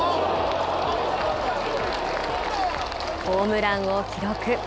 ホームランを記録。